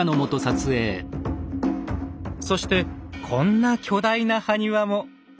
そしてこんな巨大な埴輪も。